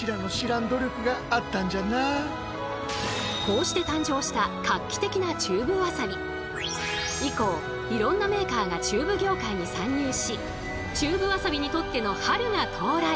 こうして誕生した以降いろんなメーカーがチューブ業界に参入しチューブわさびにとっての春が到来！